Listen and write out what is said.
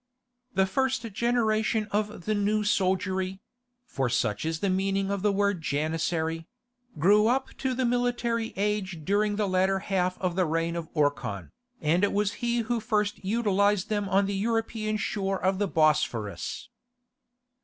The first generation of the "New Soldiery" [for such is the meaning of the word Janissary] grew up to the military age during the latter half of the reign of Orkhan, and it was he who first utilized them on the European shore of the Bosphorus.